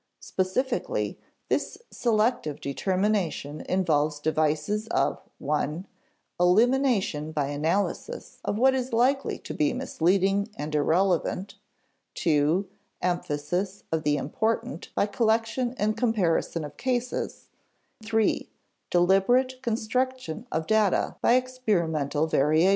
Specifically, this selective determination involves devices of (1) elimination by analysis of what is likely to be misleading and irrelevant, (2) emphasis of the important by collection and comparison of cases, (3) deliberate construction of data by experimental variation.